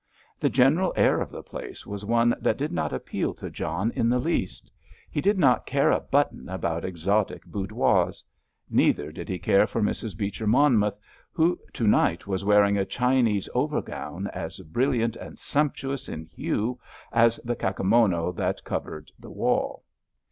The general air of the place was one that did not appeal to John in the least. He did not care a button about exotic boudoirs. Neither did he care for Mrs. Beecher Monmouth, who to night was wearing a Chinese overgown as brilliant and sumptuous in hue as the kakemono that covered the wall.